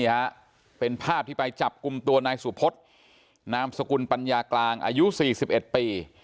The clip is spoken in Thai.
ฮะเป็นภาพที่ไปจับกลุ่มตัวนายสุพฤษนามสกุลปัญญากลางอายุ๔๑ปี